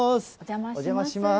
お邪魔します。